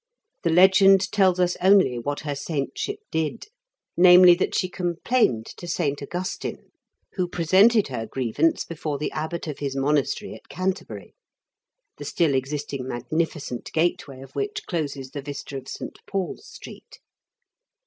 The legend tells us only what her saintship did, namely, that she complained to St. Augustine, who presented her grievance before the abbot of his monastery at Canterbury, the still existing magnificent gateway of which closes the vista of St. Paul's Street.